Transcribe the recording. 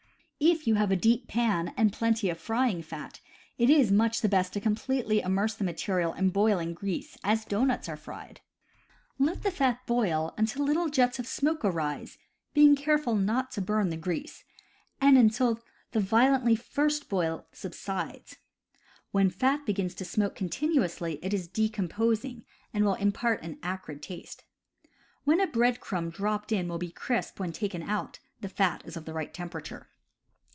If you have a deep pan and plenty of frying fat, it is much the best to completely immerse the material in boiling grease, as doughnuts are fried. Let the fat boil until little jets of smoke arise (being careful not to burn the grease) and until the violent first boil sub sides. When fat begins to smoke continuously it is decomposing, and will impart an acrid taste. When a bread crumb dropped in will be crisp when taken out, the fat is of the right temperature.